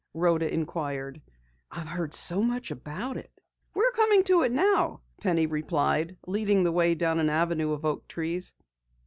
Rhoda inquired. "I've heard so much about it." "We're coming to it now," Penny replied, leading the way down an avenue of oak trees.